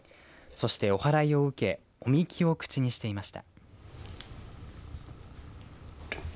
そして、おはらいを受けお神酒を口にしていました。